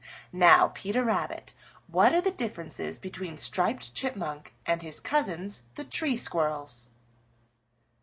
Now, Peter Rabbit, what are the differences between Striped Chipmunk and his cousins, the Tree Squirrels?"